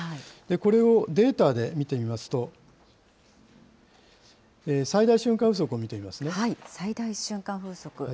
これをデータで見てみますと、最大瞬間風速を見てみますね。